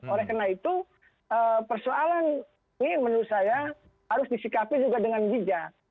oleh karena itu persoalan ini menurut saya harus disikapi juga dengan bijak